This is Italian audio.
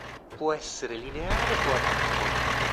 Può essere lineare o ad arco.